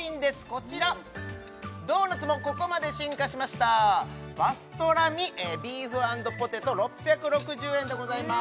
こちらドーナツもここまで進化しましたパストラミビーフ＆ポテト６６０円でございます